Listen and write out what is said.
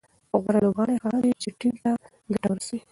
غوره لوبغاړی هغه دئ، چي ټیم ته ګټه ورسوي.